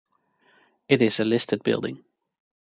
It is a listed building.